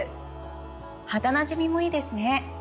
肌なじみもいいですね！